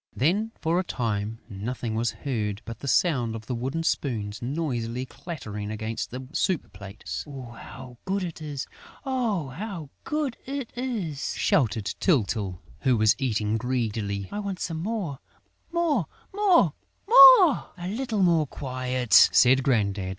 Then, for a time, nothing was heard but the sound of the wooden spoons noisily clattering against the soup plates. "How good it is! Oh, how good it is!" shouted Tyltyl, who was eating greedily. "I want some more! More! More! More!" "Come, come, a little more quiet," said Grandad.